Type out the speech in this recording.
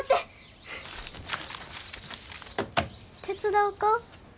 手伝おか？